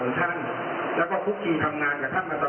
ตอนนี้รู้สึกว่าคุกทิย์ทำงานกับชาติมาตลอด